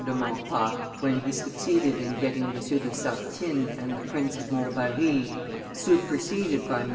de Maurepas when he succeeded in getting M. de Sartines and the Prince of Montbarrey superseded by MM.